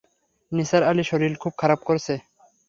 নিসার আলির শরীর খুব খারাপ করেছে।